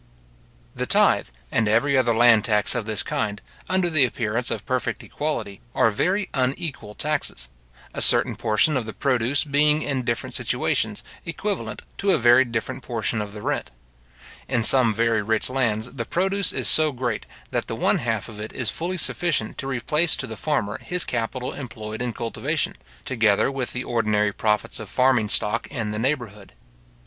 The tythe, and every other land tax of this kind, under the appearance of perfect equality, are very unequal taxes; a certain portion of the produce being in different situations, equivalent to a very different portion of the rent. In some very rich lands, the produce is so great, that the one half of it is fully sufficient to replace to the farmer his capital employed in cultivation, together with the ordinary profits of farming stock in the neighbourhood.